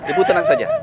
ibu tenang saja